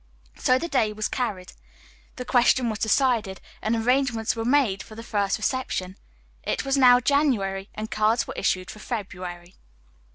So the day was carried. The question was decided, and arrangements were made for the first reception. It now was January, and cards were issued for February.